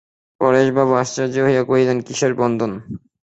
পরেশবাবু আশ্চর্য হইয়া কহিলেন, কিসের বন্ধন?